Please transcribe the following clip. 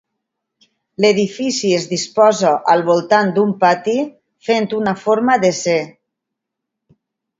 L'edifici es disposa al voltant d'un pati fent una forma de ce.